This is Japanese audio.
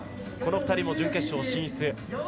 この２人も準決勝進出。